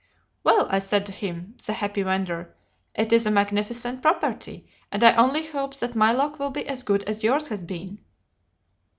'Well,' I said to him the happy vendor 'it is a magnificent property, and I only hope that my luck will be as good as yours has been.